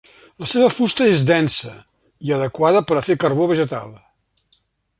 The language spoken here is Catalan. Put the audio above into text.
La seva fusta és densa i adequada per a fer carbó vegetal.